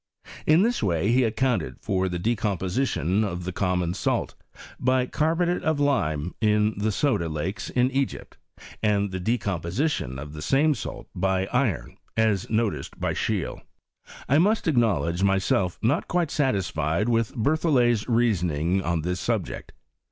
In this way he accounted for the decomposition of the common salt, by carbonate of lime in the soda VOL. II. M 162 HISTORY OF CHSXnmT. lakes in Egypt ; and the decomposition of the same salt by iron, as noticed by Scheele. I must acknowledge myself not quite satisfied with Berthollet*s reasoning on this subject.